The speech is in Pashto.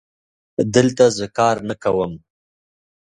دلته زه کار نه کوم